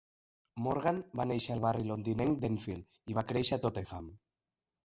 Morgan va néixer al barri londinenc d'Enfield i va créixer a Tottenham.